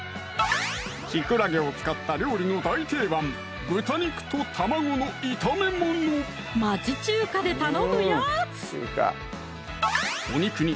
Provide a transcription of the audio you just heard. きくらげを使った料理の大定番町中華で頼むやつ！